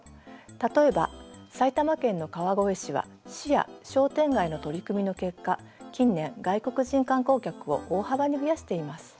例えば埼玉県の川越市は市や商店街の取り組みの結果近年外国人観光客を大幅に増やしています。